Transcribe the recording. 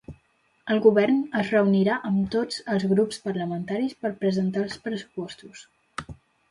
El govern es reunirà amb tots els grups parlamentaris per presentar els pressupostos.